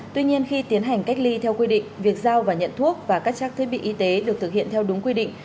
tuy nhiên khi tiến hành cách ly theo quy định việc giao và nhận thuốc và các trang thiết bị y tế được thực hiện theo đúng quy định